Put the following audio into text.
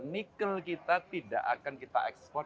nikel kita tidak akan kita ekspor